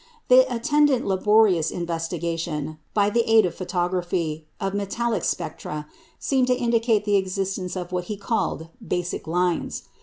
The attendant laborious investigation, by the aid of photography, of metallic spectra, seemed to indicate the existence of what he called "basic lines."